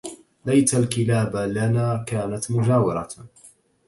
ليت الكلاب لنا كانت مجاورة